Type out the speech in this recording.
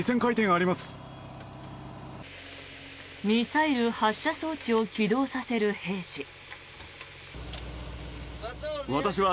ミサイル発射装置を起動させる兵士。